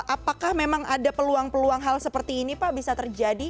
apakah memang ada peluang peluang hal seperti ini pak bisa terjadi